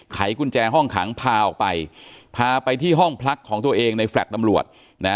ไขกุญแจห้องขังพาออกไปพาไปที่ห้องพักของตัวเองในแฟลต์ตำรวจนะ